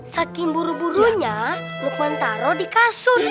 saking buru burunya lukman taruh di kasur